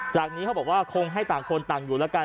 นี้เขาบอกว่าคงให้ต่างคนต่างอยู่แล้วกัน